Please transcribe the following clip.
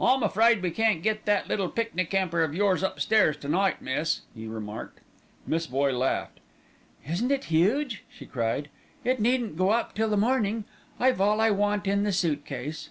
"I'm afraid we can't get that little picnic 'amper of yours upstairs to night, miss," he remarked. Miss Boye laughed. "Isn't it huge?" she cried. "It needn't go up till the morning. I've all I want in the suit case."